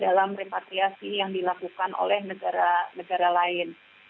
dalam repatriasi yang dilakukan oleh negara negara lain